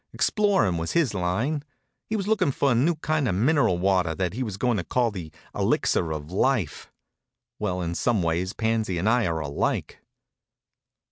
Exploring was his line. He was looking for a new kind of mineral water that he was going to call the Elixir of Life. Well, in some ways Panzy and I are alike."